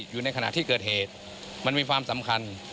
อยู่ในขณะที่เกิดเหตุมันมีความสำคัญ